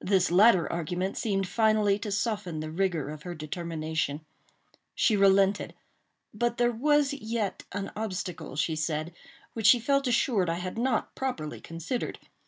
This latter argument seemed finally to soften the rigor of her determination. She relented; but there was yet an obstacle, she said, which she felt assured I had not properly considered.